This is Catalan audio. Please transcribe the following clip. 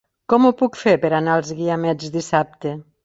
Com ho puc fer per anar als Guiamets dissabte?